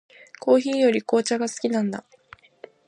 コーヒーより紅茶が好きなんだ。